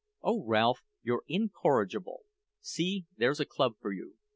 "Oh Ralph, you're incorrigible! See, there's a club for you.